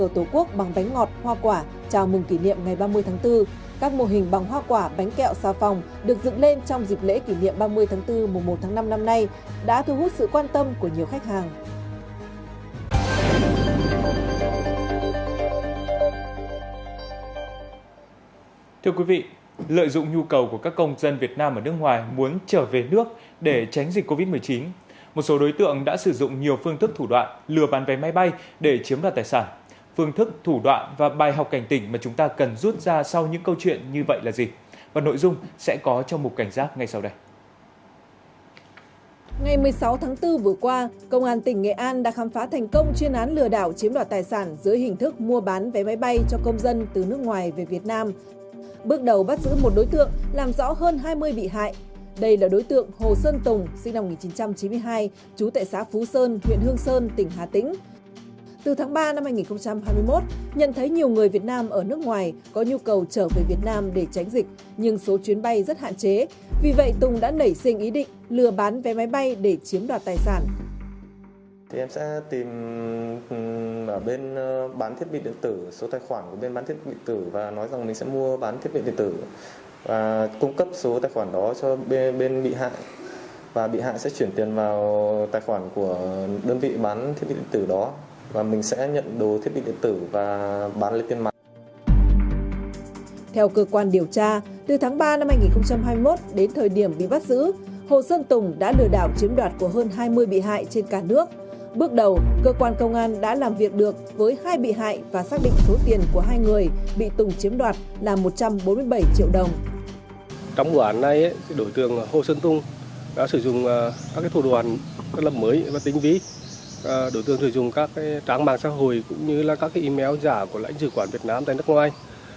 trong bản này đổi tường hồ sơn tùng đã sử dụng các thủ đoàn lập mới và tính ví đổi tường sử dụng các trang mạng xã hội cũng như các email giả của lãnh dự quản việt nam tại nước ngoài